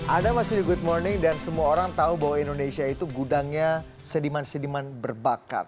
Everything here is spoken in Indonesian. ada masih di good morning dan semua orang tahu bahwa indonesia itu gudangnya sediman sediman berbakat